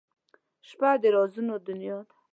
• شپه د رازونو دنیا ده.